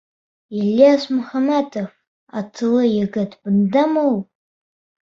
Ильяс Мөхәмәтов атлы егет бындамы ул?